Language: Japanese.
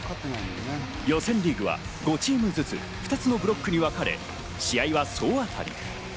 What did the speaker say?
予選リーグは５チームずつ２つのブロックに分かれ試合は総当り。